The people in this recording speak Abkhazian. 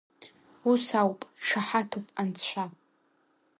Ус ауп, дшаҳаҭуп анцәа!